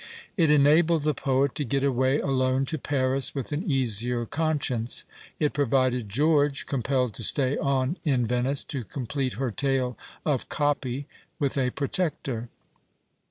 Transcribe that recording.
It enabled the poet to get away alone to Paris with an easier conscience ; it provided George, compelled to stay on in Venice to complete her tale of " copy,"' with a protector.